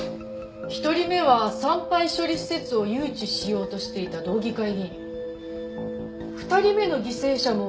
１人目は産廃処理施設を誘致しようとしていた道議会議員２人目の犠牲者も日央建設に寝返っていた医師